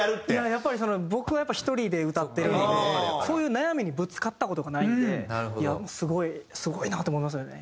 やっぱりその僕は１人で歌ってるんでそういう悩みにぶつかった事がないんでいやすごいすごいなと思いますよね。